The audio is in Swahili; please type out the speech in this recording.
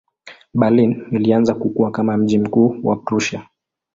Berlin ilianza kukua kama mji mkuu wa Prussia.